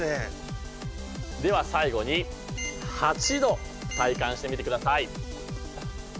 では最後に８度体感してみてください。